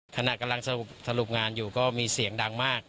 ขณะกำลังสรุปงานอยู่ก็มีเสียงดังมาก